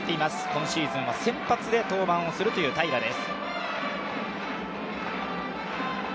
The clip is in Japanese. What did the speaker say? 今シーズンは先発で登板する平良です。